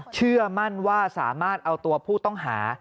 เชื่อมั่นว่าสามารถเอาตัวผู้ต้องหา